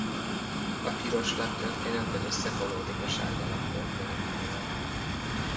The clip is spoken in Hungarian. A piros lap története összefonódik a sárga lap történetével.